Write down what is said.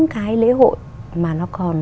cái lễ hội mà nó còn